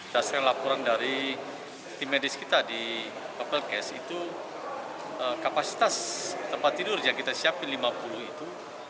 dasar laporan dari tim medis kita di pepelkes itu kapasitas tempat tidur yang kita siapin lima puluh itu